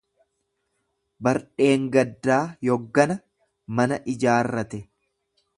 Bardheengaddaa yoggana mana ijaarrate.